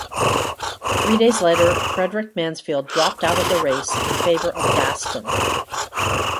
Three days later Frederick Mansfield dropped out of the race in favor of Gaston.